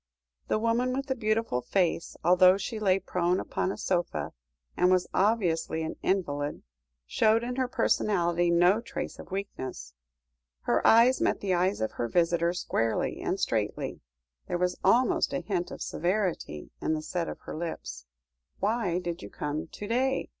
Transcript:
The woman with the beautiful face, although she lay prone upon a sofa, and was obviously an invalid, showed in her personality no trace of weakness. Her eyes met the eyes of her visitor squarely and straightly, there was almost a hint of severity in the set of her lips. "Why did you come to day?"